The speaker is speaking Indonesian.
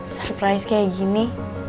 surprise kayak gini